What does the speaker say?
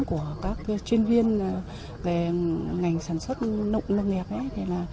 của các chuyên viên về ngành sản xuất nông lâm nghiệp